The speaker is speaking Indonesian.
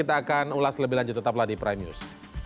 kita akan ulas lebih lanjut tetaplah di prime news